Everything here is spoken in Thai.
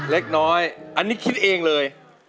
เล็กน้อยอันนี้คิดเองเลย